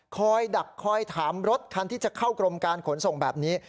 ดักคอยถามรถคันที่จะเข้ากรมการขนส่งแบบนี้